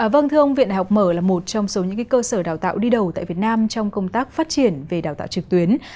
vâng thưa ông viện học mở là một trong số những cơ sở đào tạo đi đầu tại việt nam trong công tác phát triển về đào tạo trực tuyến